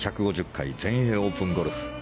第１５０回全英オープンゴルフ。